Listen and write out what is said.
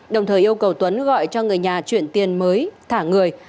đồng thời yêu cầu tuấn gọi cho người nhà chuyển tiền mới thả người